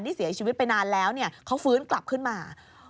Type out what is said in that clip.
เสียชีวิตไปนานแล้วเขาฟื้นกลับขึ้นมา